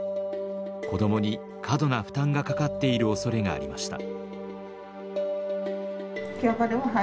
子どもに過度な負担がかかっているおそれがありました。